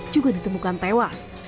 juga ditemukan tewas